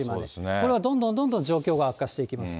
これはどんどんどんどん状況が悪化していきます。